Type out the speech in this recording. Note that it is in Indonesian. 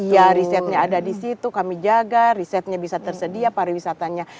ya risetnya ada di situ kami jaga risetnya bisa tersedia pariwisatanya